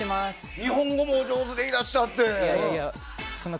日本語もお上手でいらっしゃって。